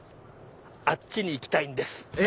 あっちに行きたいんです。